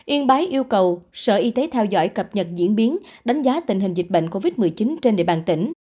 yên bái yêu cầu sở y tế theo dõi cập nhật diễn biến đánh giá tình hình dịch bệnh covid một mươi chín trên địa bàn tỉnh